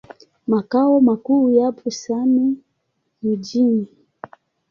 Makao makuu yapo Same Mjini.